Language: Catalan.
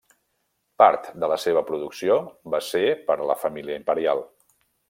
Part de la seva producció va ser per a la família imperial.